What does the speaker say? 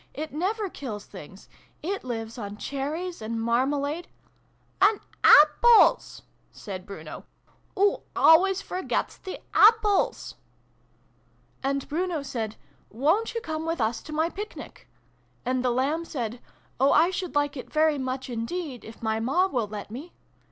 It never kills things! It lives on cherries, and marmalade '" and apples f " said Bruno. " Oo always forgets the apples !" xiv] BRUNO'S PICNIC. 229 " And Bruno said ' Wo'n't you come with us to my Picnic ?' And the Lamb said ' Oh, I should like it very much indeed, if my Ma will let me